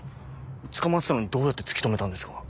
捕まってたのにどうやって突き止めたんですか？